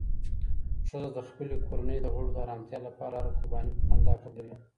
ښځه د خپلې کورنۍ د غړو د ارامتیا لپاره هره قرباني په خندا قبلوي